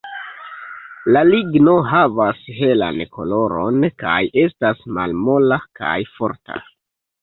La ligno havas helan koloron, kaj estas malmola kaj forta.